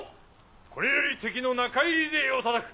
これより敵の中入り勢をたたく。